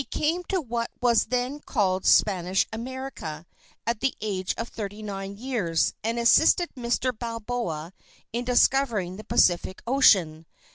He came to what was then called Spanish America at the age of 39 years and assisted Mr. Balboa in discovering the Pacific ocean.